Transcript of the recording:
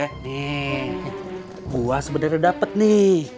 nih gue sebenernya dapet nih